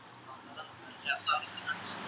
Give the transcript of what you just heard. قابیله زر شپې به په دښتو کې چغارې وهې